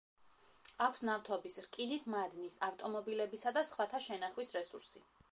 აქვს ნავთობის, რკინის მადნის, ავტომობილებისა და სხვათა შენახვის რესურსი.